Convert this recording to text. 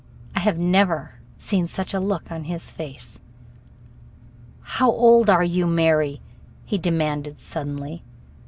I had never seen such a look on his face. "How old are you, Mary?" he demanded suddenly.